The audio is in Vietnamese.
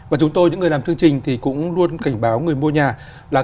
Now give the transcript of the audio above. và chúng tôi những người làm chương trình thì cũng luôn cảnh báo người mua nhà là